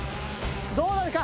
どうなるか？